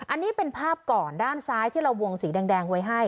อันนี้เป็นภาพก่อนด้านซ้ายที่เราวงสีแดงไว้ให้